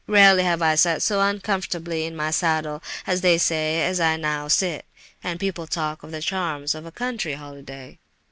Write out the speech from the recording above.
Rarely have I sat so uncomfortably in my saddle, as they say, as I now sit. And people talk of the charms of a country holiday!"